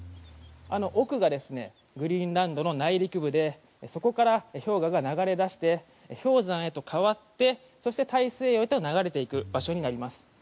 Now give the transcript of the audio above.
あの奥がグリーンランドの内陸部でそこから氷河が流れ出して氷山へと変わってそして、大西洋へと流れていく場所になります。